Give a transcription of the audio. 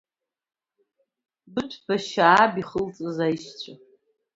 Быҭәба Шьааб ихылҵыз аишьцәа…